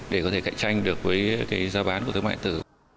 để có thể cạnh tranh được với gia bán của thương mại điện tử